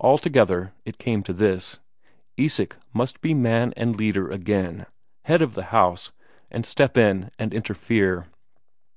Altogether, it came to this: Isak must be Man and Leader again head of the house, and step in and interfere.